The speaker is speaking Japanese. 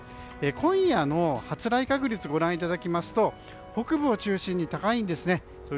今夜の発雷確率をご覧いただきますと北部を中心に高いんですね。